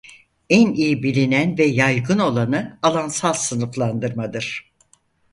En iyi bilinen ve yaygın olanı alansal sınıflandırmadır.